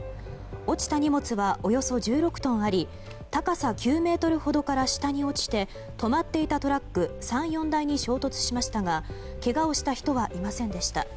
落ちた荷物はおよそ１６トンあり高さ９ｍほどから下に落ちて止まっていたトラック３４台に衝突しましたがけがをした人はいませんでした。